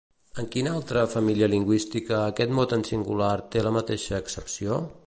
En quina altra família lingüística aquest mot en singular té la mateixa accepció?